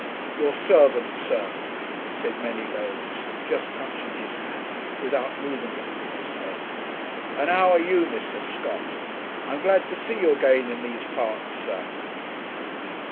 'Your servant, sir,' said Manylodes, just touching his hat, without moving it from his head. 'And how are you, Mr. Scott? I am glad to see you again in these parts, sir.'